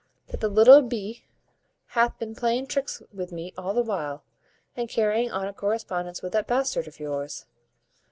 that the little b hath bin playing tricks with me all the while, and carrying on a correspondence with that bastard of yours.